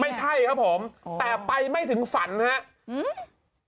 ไม่ใช่ครับผมแต่ไปไม่ถึงฝันครับอืม